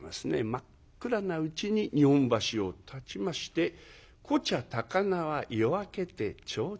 真っ暗なうちに日本橋をたちまして「コチャ高輪夜明けて提灯消す」。